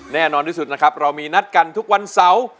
แน่นอนที่สุดนะครับเรามีนัดกันทุกวันเสาร์